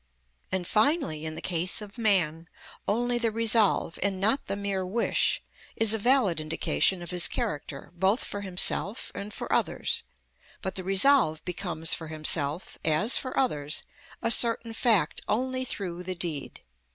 And, finally, in the case of man, only the resolve, and not the mere wish, is a valid indication of his character both for himself and for others; but the resolve becomes for himself, as for others, a certain fact only through the deed.